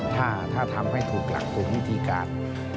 ถ้าทำให้ถูกหลักถูกวิธีการ